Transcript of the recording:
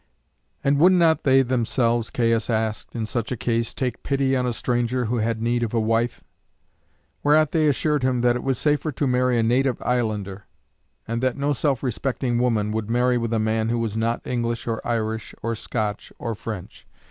And would not they themselves, Caius asked, in such a case, take pity on a stranger who had need of a wife? Whereat they assured him that it was safer to marry a native islander, and that no self respecting woman could marry with a man who was not English, or Irish, or Scotch, or French.